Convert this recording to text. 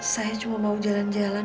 saya cuma mau jalan jalan